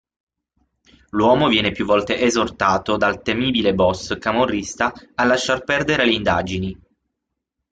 L'uomo viene più volte esortato dal temibile boss camorrista a lasciar perdere le indagini.